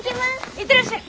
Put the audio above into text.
行ってらっしゃい。